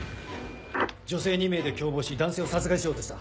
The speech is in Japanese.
女性２名で共謀し男性を殺害しようとした。